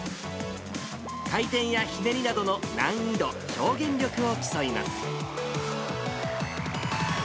回転やひねりなどの難易度、表現力を競います。